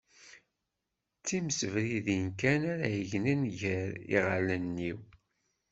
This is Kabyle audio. D timsebridin kan ara yegnen gar iɣallen-iw